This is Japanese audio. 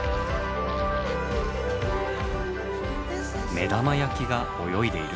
目玉焼きが泳いでいる？